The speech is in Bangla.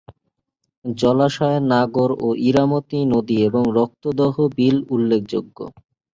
জলাশয় নাগর ও ইরামতী নদী এবং রক্তদহ বিল উল্লেখযোগ্য।